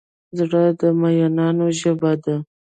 زړه د مینانو ژبه ده.